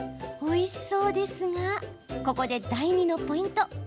おいしそうですがここで第２のポイント。